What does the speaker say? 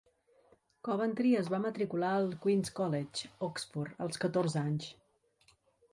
Coventry es va matricular al Queens College, Oxford, als catorze anys.